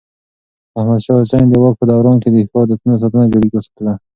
احمد شاه حسين د واک په دوران کې د ښو عادتونو ساتنه جاري وساتله.